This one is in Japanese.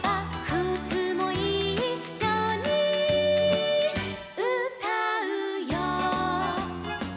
「くつもいっしょにうたうよ」